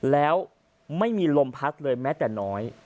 แล้วไม่มีลมพัดเลยแม้แต่น้อย